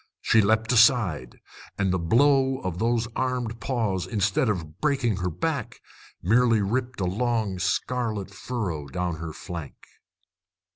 She leapt aside, and the blow of those armed paws, instead of breaking her back, merely ripped a long scarlet furrow down her flank.